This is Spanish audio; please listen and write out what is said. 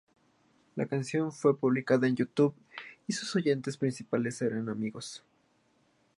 La canción fue publicada en YouTube y sus oyentes principales eran amigos.